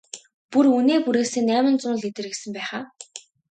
Бүр үнээ бүрээсээ найман зуун литр гэсэн байх аа?